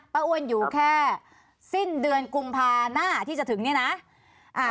ประอวัลอยู่แค่สิ้นเดือนกุมภาณ์หน้าที่จะถึงนี่นะ